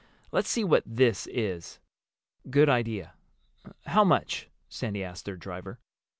Let's see what 'this' is." "Good idea. How much?" Sandy asked their driver.